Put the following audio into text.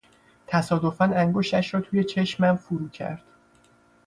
تصادفا انگشتش را توی چشمم فرو کرد.